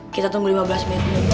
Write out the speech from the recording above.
kita tunggu lima belas menit